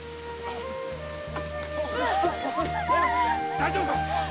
大丈夫か？